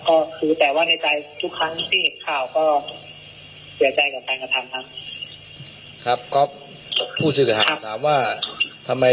ก็คือแต่ว่าในใจทุกครั้งที่ข่าวก็เสียใจกับการกระทำครับครับ